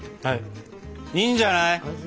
いいんじゃない？